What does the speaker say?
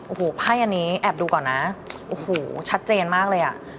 โอ้โหไพ่อันนี้แอบดูก่อนนะโอ้โหชัดเจนมากเลยอ่ะ